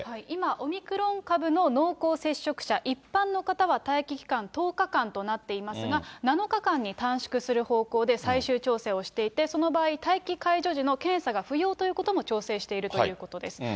今オミクロン株の濃厚接触者一般の方は待期期間１０日間となっていますが、７日間に短縮する方向で最終調整をしていて、その場合、待機解除時の検査が不要ということも調整しているということです。